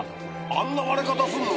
あんな割れ方すんの？